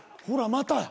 またや。